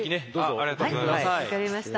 ありがとうございます。